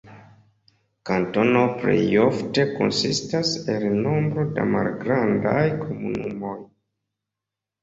Kantono plejofte konsistas el nombro da malgrandaj komunumoj.